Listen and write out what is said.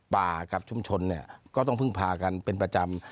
กับชุมชนเนี่ยก็ต้องพึ่งพากันเป็นประจำ